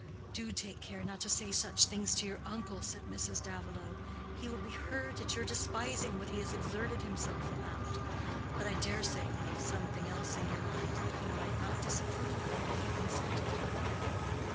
"Do take care not to say such things to your uncle," said Mrs. Davilow. "He will be hurt at your despising what he has exerted himself about. But I dare say you have something else in your mind that he might not disapprove, if you consulted him."